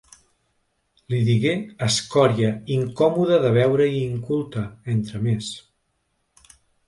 Li digué ‘escòria, incòmoda de veure i inculta’, entre més.